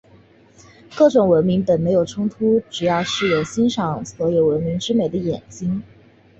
各种文明本没有冲突，只是要有欣赏所有文明之美的眼睛。